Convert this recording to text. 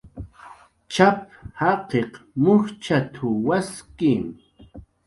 "Tx'ap"" jaqiq mujchat"" waski"